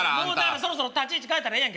そろそろ立ち位置変えたらいいやん